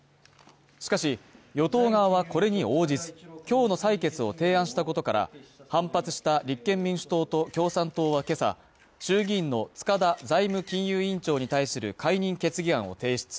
しかし、与党側はこれに応じず今日の採決を提案したことから、反発した立憲民主党と共産党は今朝衆議院の塚田財務金融委員長に対する解任決議案を提出。